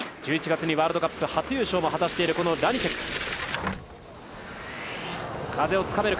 １１月にワールドカップ初優勝を果たしているラニシェク。